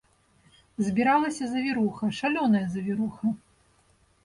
Збіралася завіруха, шалёная завіруха.